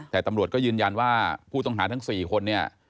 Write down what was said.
แต่ตำรวจก็ยืนยันว่าผู้ต้องหาทั้ง๔คนเนี่ย